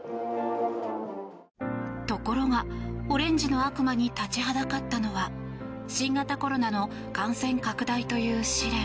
ところが、オレンジの悪魔に立ちはだかったのは新型コロナの感染拡大という試練。